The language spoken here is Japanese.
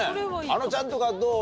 あのちゃんとかどう？